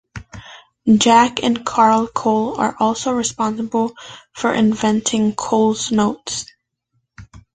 Jack and Carl Cole are also responsible for inventing Coles Notes.